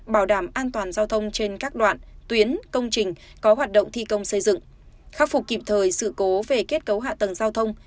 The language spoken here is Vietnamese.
bảo đảm an toàn giao thông trên các đoạn tuyến công trình có hoạt động thi công xây dựng khắc phục kịp thời sự cố về kết cấu hạ tầng giao thông